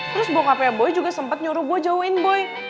terus bokapnya boy juga sempet nyuruh gue jauhin boy